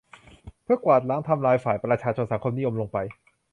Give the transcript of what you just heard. เพื่อกวาดล้างกำลังฝ่ายประชาชนสังคมนิยมลงไป